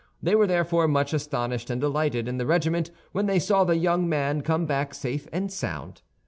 They were therefore much astonished and delighted in the regiment when they saw the young man come back safe and sound.